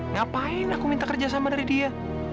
ngapain aku minta kerjasama dari dia